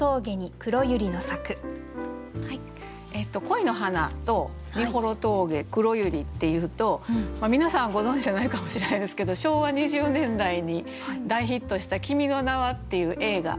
「恋の花」と「美幌峠」「黒百合」っていうと皆さんご存じじゃないかもしれないですけど昭和２０年代に大ヒットした「君の名は」っていう映画。